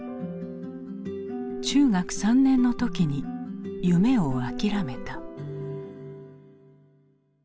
中学３年の時に夢を諦めた。